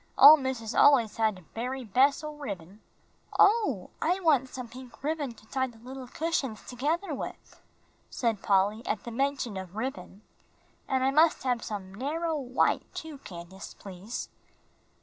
Ole missus al'ays had de bery bes' o' ribbin." "Oh, I want some pink ribbon to tie the little cushions together with," said Polly, at the mention of ribbon. "And I must have some narrow white, too, Candace, please."